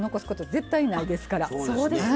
絶対にないですから。